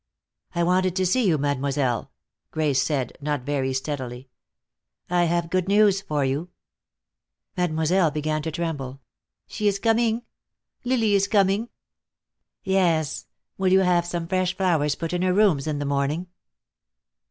"I wanted to see you, Mademoiselle," Grace said, not very steadily. "I have good news for you." Mademoiselle began to tremble. "She is coming? Lily is coming?" "Yes. Will you have some fresh flowers put in her rooms in the morning?"